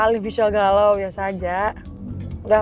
nih fai gue mau pulang